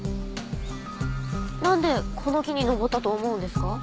なんでこの木に登ったと思うんですか？